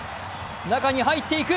中に入っていく。